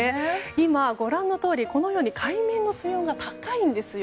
今、ご覧のように海面の水温が高いんですよ。